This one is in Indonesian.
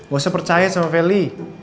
gak usah percaya sama vally